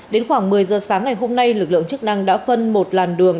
đến khoảng một mươi giờ sáng ngày hôm nay lực lượng chức năng đã phân một làn đường